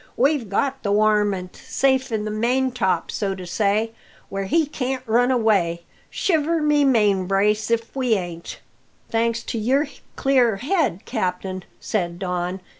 We've got the warmint safe in the maintop, so to say, where he can't run away shiver my main brace if we ain't!" "Thanks to your clear head, captain," said Don.